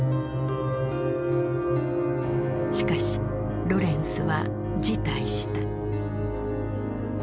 しかしロレンスは辞退した。